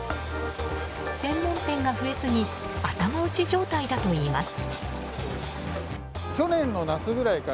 専門店が増えすぎ頭打ち状態だといいます。